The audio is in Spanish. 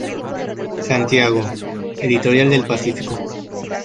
Santiago: Editorial Del Pacífico.